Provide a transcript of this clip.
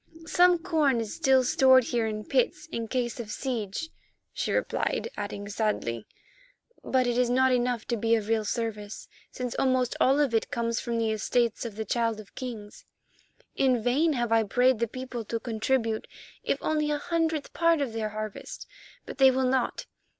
"Some corn is still stored here in pits in case of siege," she replied, adding sadly, "but it is not enough to be of real service, since almost all of it comes from the estates of the Child of Kings. In vain have I prayed the people to contribute, if only a hundredth part of their harvest, but they will not.